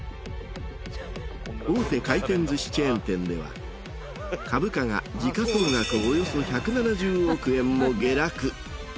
大手回転寿司チェーン店では株価が時価総額およそ１７０億円も下落。